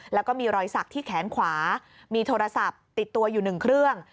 แล้วก็มีรอยสักที่แขนขวามีโทรศัพท์ติดตัวอยู่๑เครื่อง